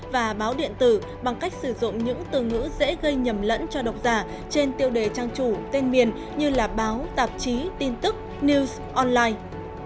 và báo điện tử bằng cách sử dụng những từ ngữ dễ gây nhầm lẫn cho độc giả trên tiêu đề trang chủ tên miền như là báo tạp chí tin tức news online